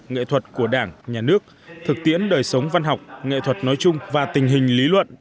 nghệ thuật của đảng nhà nước thực tiễn đời sống văn học nghệ thuật nói chung và tình hình lý luận